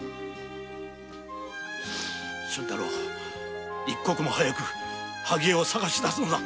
俊太郎一刻も早く萩絵を捜し出すのだ。